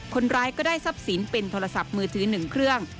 คนร้ายก็ได้ทรัพย์สินเป็นโทรศัพท์มือถือ๑เครื่อง